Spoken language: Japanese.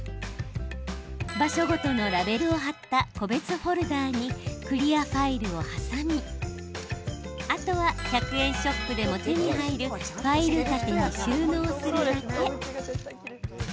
場所ごとのラベルを貼った個別フォルダーにクリアファイルを挟み、あとは１００円ショップでも手に入るファイル立てに収納するだけ。